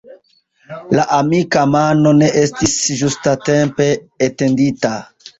La amika mano ne estis ĝustatempe etendita.